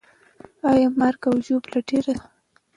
آیا مرګ او ژوبله ډېره سوه؟